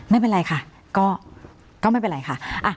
ไม่เป็นไรค่ะก็ไม่เป็นไรค่ะ